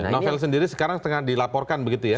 novel sendiri sekarang setengah dilaporkan begitu ya